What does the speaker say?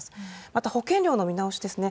また、保険料の見直しですね。